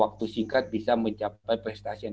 waktu singkat bisa mencapai prestasi yang